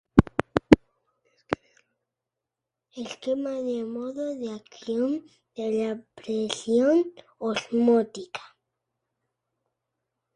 Esquema del modo de acción de la presión osmótica.